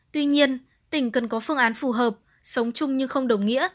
tuy nhiên tỉnh cần có phương án phù hợp sống chung nhưng không đồng nghĩa